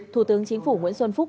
thủ tướng chính phủ nguyễn xuân phúc